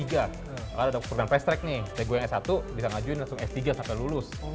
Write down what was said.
kalau ada program fast track nih kayak gue yang s satu bisa ngajuin langsung s tiga sampai lulus